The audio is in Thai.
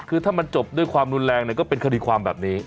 คือถ้ามันจบด้วยความรุนแรงก็เป็นคดีความแบบนี้